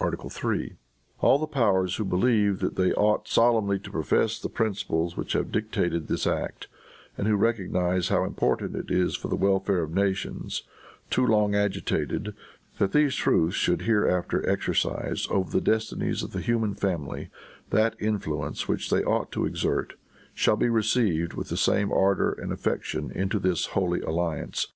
"Article III. All the powers who believe that they ought solemnly to profess the principles which have dictated this act, and who recognize how important it is for the welfare of nations, too long agitated, that these truths should hereafter exercise over the destinies of the human family that influence which they ought to exert, shall be received, with the same ardor and affection, into this Holy Alliance.